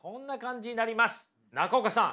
中岡さん。